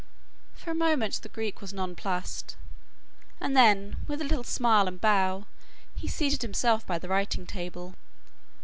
For a moment the Greek was nonplussed and then, with a little smile and bow, he seated himself by the writing table.